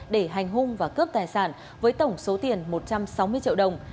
để hành hung và cướp tài sản với tổng số tiền một trăm sáu mươi triệu đồng